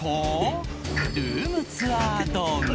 ルームツアー動画。